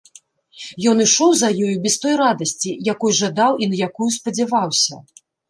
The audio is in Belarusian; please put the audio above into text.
Ён ішоў за ёю без той радасці, якой жадаў і на якую спадзяваўся.